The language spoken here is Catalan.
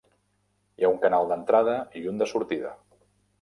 Hi ha un canal d'entrada i un de sortida.